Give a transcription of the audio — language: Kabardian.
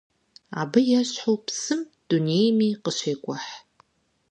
Абы ещхьу псым дунейми къыщекӀухь.